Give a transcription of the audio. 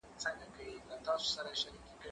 زه پاکوالي ساتلي دي؟